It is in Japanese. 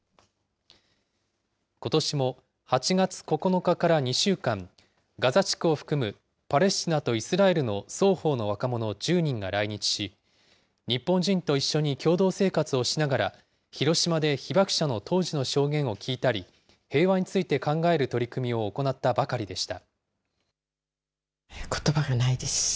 ことしも８月９日から２週間、ガザ地区を含むパレスチナとイスラエルの双方の若者１０人が来日し、日本人と一緒に共同生活をしながら、広島で被爆者の当時の証言を聞いたり、平和について考える取り組みを行ったばかりでした。